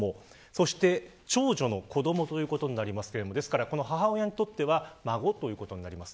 そして長女の子どもということですが母親にとっては孫ということになります。